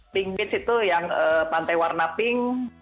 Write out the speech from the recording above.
pink mitch itu yang pantai warna pink